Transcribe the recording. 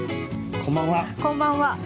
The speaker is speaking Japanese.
こんばんは。